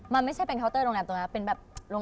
มันไม่ใช่เป็นเคาน์เตอร์โรงแรมตรงนั้นเป็นแบบ